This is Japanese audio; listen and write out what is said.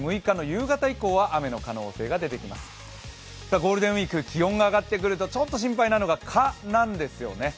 ゴールデンウイーク、気温が上ってくると、ちょっと心配なのが蚊なんですよね。